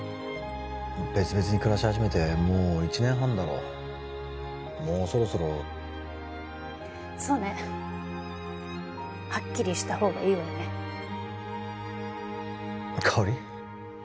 別々に暮らし始めてもう１年半だろもうそろそろそうねはっきりした方がいいわよね香織？